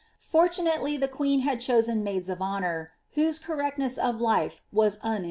Fortunately the queen had choeeo maids of honour, whose correctness of life was unimpeachable, who ' MS.